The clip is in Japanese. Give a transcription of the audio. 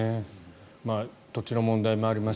土地の問題もあります